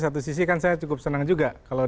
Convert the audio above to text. satu sisi kan saya cukup senang juga kalau